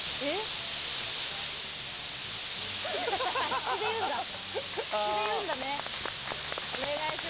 口で言うんだね！